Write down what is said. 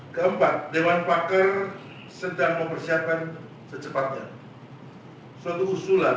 keempat dewan pakar sedang mempersiapkan secepatnya suatu usulan